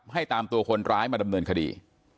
ให้ตามตัวคนร้ายมาดำเนินคดี